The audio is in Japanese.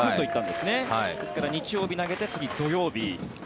ですから日曜日投げて次、土曜日。